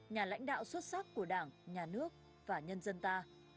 nhà lãnh đạo xuất sắc của đảng nhà nước và nhân dân ta